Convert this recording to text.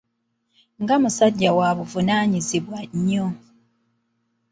Nga musajja wa buvunaanyizibwa nnyo.